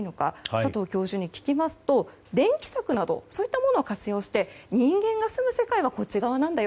佐藤教授に聞きますと電気柵などを活用して人間は住む世界はこっち側なんだよ